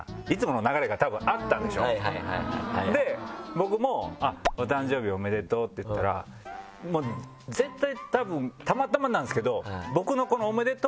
僕も「お誕生日おめでとう」って言ったら絶対たぶんたまたまなんですけど。